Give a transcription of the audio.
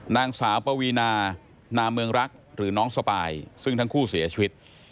นางสาวปวีนานาเมืองรักหรือน้องสปายซึ่งทั้งคู่เสียชีวิต